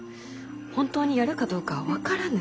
本当にやるかどうかは分からぬ。